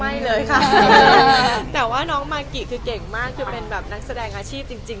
ไม่เลยค่ะแต่ว่าน้องมากิคือเก่งมากคือเป็นแบบนักแสดงอาชีพจริงจริง